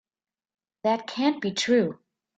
That can't be true.